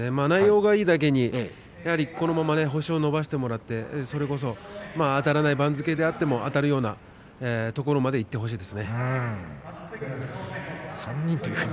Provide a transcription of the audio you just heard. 内容がいいだけに、このまま星を伸ばしてもらってそれこそあたらない番付であってもあたるようなところまでいってほしいですね。